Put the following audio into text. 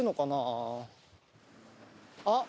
あっ！